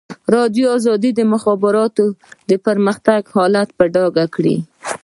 ازادي راډیو د د مخابراتو پرمختګ حالت په ډاګه کړی.